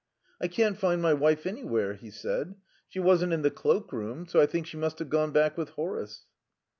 "I can't find my wife anywhere," he said. "She wasn't in the cloak room, so I think she must have gone back with Horace."